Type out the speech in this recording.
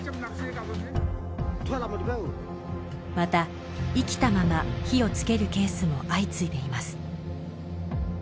また生きたまま火をつけるケースも相次いでいます